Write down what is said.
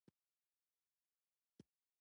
لوگر د افغانستان د بشري فرهنګ برخه ده.